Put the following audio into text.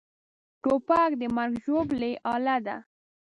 توپک د مرګ ژوبلې اله ده.